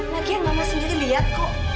lagian mama sendiri liat kok